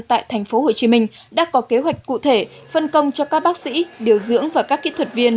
tại tp hcm đã có kế hoạch cụ thể phân công cho các bác sĩ điều dưỡng và các kỹ thuật viên